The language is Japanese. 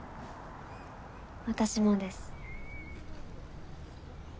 私もです。